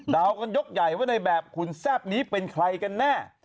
กันยกใหญ่ว่าในแบบขุนแซ่บนี้เป็นใครกันแน่